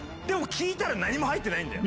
聴いたら何も入ってないんだよ。